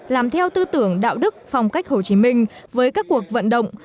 làm theo tư tưởng đạo đức phong cách hồ chí minh với các cuộc vận động